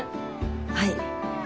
はい。